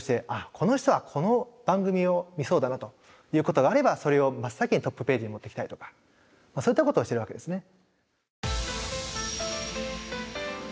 この人はこの番組を見そうだなということがあればそれを真っ先にトップページに持ってきたりとかそういったことをしてるわけですね。